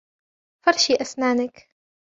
فرشي أسنانك.